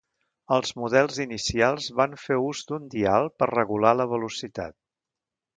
Els models inicials van fer ús d'un dial per regular la velocitat.